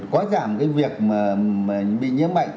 có giảm cái việc mà bị nhiễm bệnh